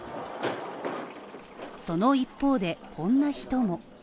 その一方で、こんな人も。